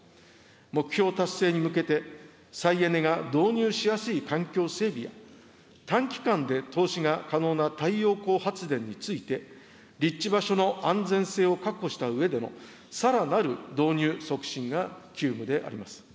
目標達成に向けて、再エネが導入しやすい環境整備や、短期間で投資が可能な太陽光発電について、立地場所の安全性を確保したうえでのさらなる導入促進が急務であります。